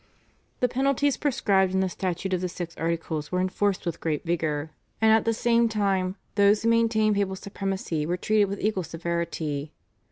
The penalties prescribed in the Statute of the Six Articles were enforced with great vigour, and at the same time those who maintained papal supremacy were treated with equal severity.